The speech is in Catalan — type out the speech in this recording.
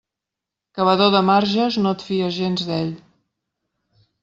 Cavador de marges, no et fies gens d'ell.